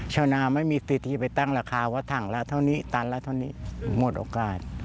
ชาวนำไม่มีที่ดีไปตั้งราคาว่าตันแล้วเท่านี้หมดโอกาส